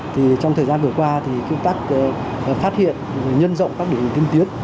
thì trong thời gian vừa qua thì khi ta phát hiện nhân rộng các điều tiên tiến